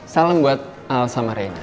salam buat elsa dan reina